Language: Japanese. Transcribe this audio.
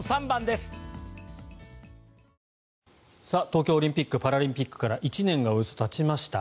東京オリンピック・パラリンピックからおよそ１年がたちました。